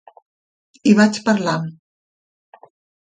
Hi vaig parlar.